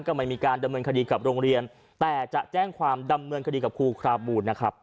ไม่มีการดำเนินคดีกับโรงเรียนแต่จะแจ้งความดำเนินคดีกับครูคราบูลนะครับ